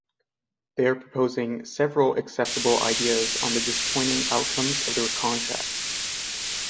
They are proposing several acceptable ideas on the disappointing outcomes of the contract.